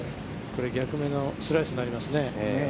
逆目のスライスになりますね。